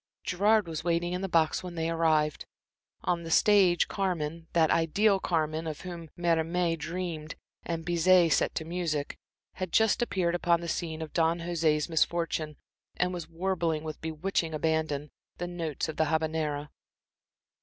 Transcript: Gerard was waiting in the box when they arrived. On the stage Carmen that ideal Carmen of whom Mérimée dreamed and Bizet set to music had just appeared upon the scene of Don Jose's misfortune, and was warbling, with bewitching abandon, the notes of the Habanera.